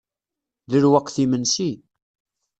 D lweqt imensi.